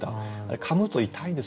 かむと痛いんですよ